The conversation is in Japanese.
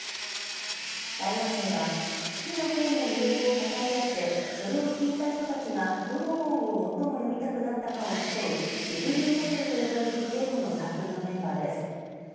大学生は好きな本の魅力を語り合ってそれを聞いた人たちがどの本を最も読みたくなったかを競うビブリオバトルと呼ばれるゲームのサークルのメンバーです。